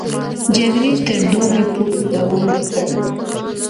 جګړې تر دوبي پورې دوام وکړ.